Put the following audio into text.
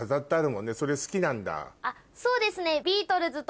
そうですね。